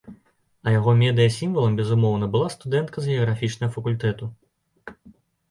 А яго медыя-сімвалам, безумоўна, была студэнтка з геаграфічнага факультэту.